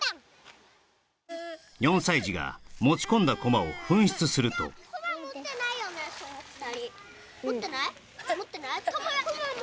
４歳児が持ち込んだコマを紛失するとコマ持ってないよね